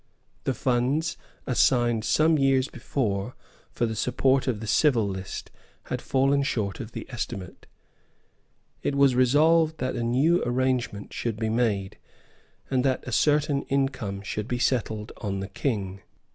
The funds assigned some years before for the support of the civil list had fallen short of the estimate. It was resolved that a new arrangement should be made, and that a certain income should be settled on the King.